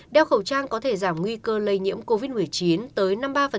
đeo khẩu trang có thể giảm nguy cơ lây nhiễm covid một mươi chín tới năm mươi ba